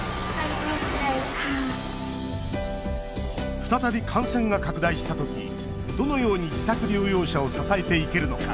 再び感染が拡大したときどのように自宅療養者を支えていけるのか。